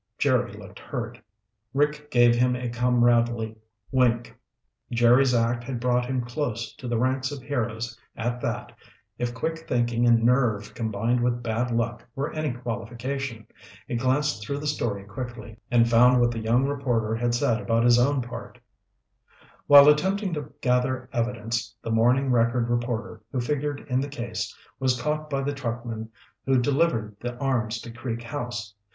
Jerry looked hurt. Rick gave him a comradely wink. Jerry's act had brought him close to the ranks of heroes at that, if quick thinking and nerve combined with bad luck were any qualification. He glanced through the story quickly, and found what the young reporter had said about his own part. "'While attempting to gather evidence, the Morning Record reporter who figured in the case was caught by the truckmen who delivered the arms to Creek House.